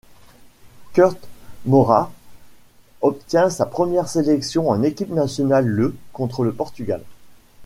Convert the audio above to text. Kurt Morath obtient sa première sélection en équipe nationale le contre le Portugal.